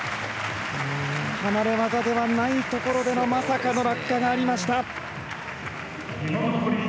離れ技ではないところでのまさかの落下がありました。